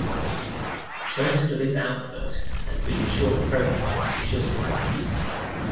Most of its output has been short programming for children.